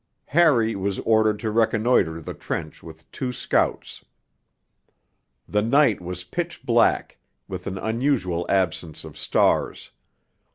Harry was ordered to reconnoitre the trench with two scouts. The night was pitch black, with an unusual absence of stars.